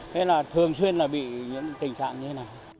thế là thường xuyên là bị những tình trạng như thế này